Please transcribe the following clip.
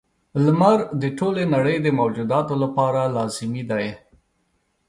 • لمر د ټولې نړۍ د موجوداتو لپاره لازمي دی.